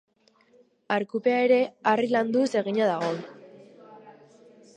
Arkupea ere harri landuz egina dago.